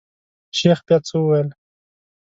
شيخ بيا څه وويل.